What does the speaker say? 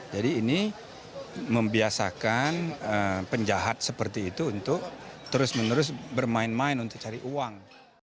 jadi ini membiasakan penjahat seperti itu untuk terus menerus bermain main untuk cari uang